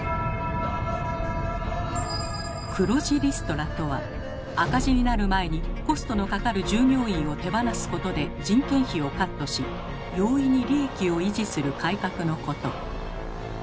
黒字リストラとは赤字になる前にコストのかかる従業員を手放すことで人件費をカットし容易に利益を維持する改革のこと。